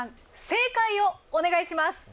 正解をお願いします！